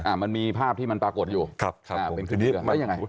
อ่ามันมีภาพที่มันปรากฏอยู่ครับครับอ่าทีนี้ไว้ยังไง